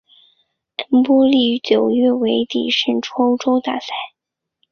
恩波利于九月尾底胜出欧洲大赛。